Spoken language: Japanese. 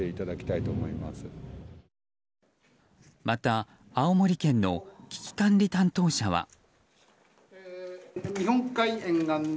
また、青森県の危機管理担当者は。